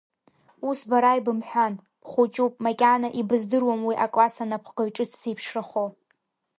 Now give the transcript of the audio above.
Ус бара ибымҳәан, бхәыҷуп, макьана ибыздыруам уи акласс анапхгаҩ ҿыц дзеиԥшрахо.